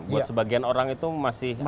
buat sebagian orang itu masih asing gitu ya